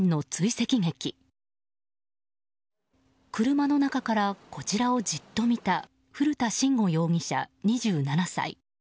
車の中からこちらをじっと見た古田真伍容疑者、２７歳。